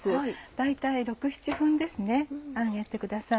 大体６７分ですね揚げてください。